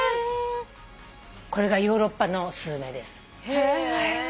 これがヨーロッパのスズメです。へ。